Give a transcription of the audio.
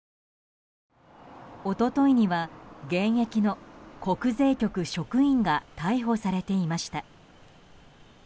一昨日には、現役の国税局職員が逮捕されていました。